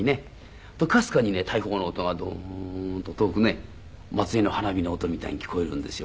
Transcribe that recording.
かすかにね大砲の音がドーンと遠くね祭りの花火の音みたいに聞こえるんですよ